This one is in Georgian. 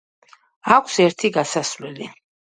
აქვს ერთი გასასვლელი.